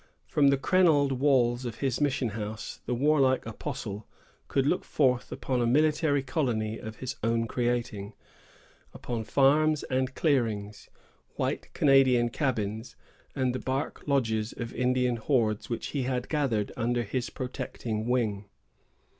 From the crenelled walls of his mission house the warlike apostle could look forth upon a military colony of his own creating, upon farms and clearings, white Canadian cabins, and the bark lodges of Indian hordes which he had gathered under his protecting wing.